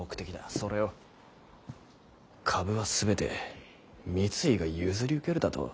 それを株は全て三井が譲り受けるだと？